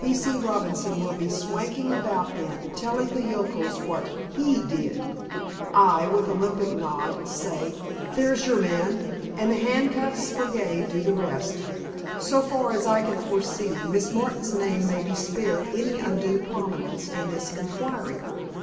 P. C. Robinson will be swanking about then, telling the yokels what he did. I, with Olympic nod, say, 'There's your man!' and the handcuffs' brigade do the rest. So far as I can foresee, Miss Martin's name may be spared any undue prominence in this inquiry.